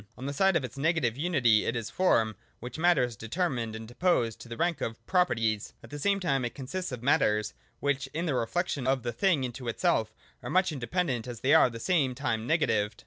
On the side of its negative unity it is Form in which Matter is determined and deposed to the rank of pro perties (§ 125). At the same time it consists of Matters, which in the reflection of the thing into itself are as much independent as they are at the same time negatived.